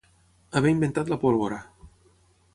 Haver inventat la pólvora.